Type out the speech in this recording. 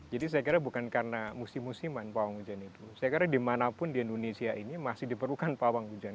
jadi saya kira bukan karena musim musiman pawang hujan itu saya kira dimanapun di indonesia ini masih diperlukan pawang hujan